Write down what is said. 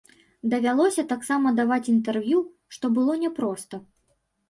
Давялося таксама даваць інтэрв'ю, што было няпроста.